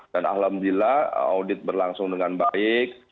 alhamdulillah audit berlangsung dengan baik